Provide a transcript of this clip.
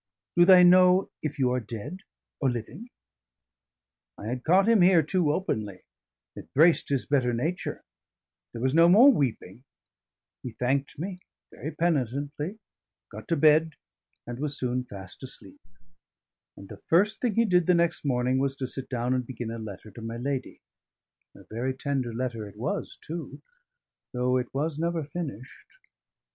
Do they know if you are dead or living?" I had caught him here too openly; it braced his better nature; there was no more weeping, he thanked me very penitently, got to bed, and was soon fast asleep; and the first thing he did the next morning was to sit down and begin a letter to my lady: a very tender letter it was too, though it was never finished.